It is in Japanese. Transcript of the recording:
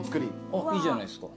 いいじゃないですか。